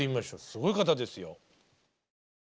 すごい方ですよ。